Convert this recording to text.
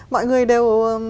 mọi người đều